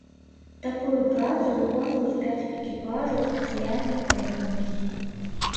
Такую працу выконваюць пяць экіпажаў спецыяльнай тэхнікі.